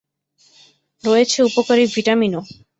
রয়েছে উপকারী ভিটামিনও।